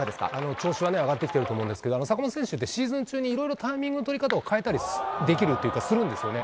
調子は上がってきてると思うんですけど坂本選手ってシーズン中にいろいろタイミングを変えたりできるというかするんですね。